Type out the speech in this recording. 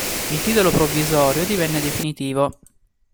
Il titolo provvisorio divenne definitivo.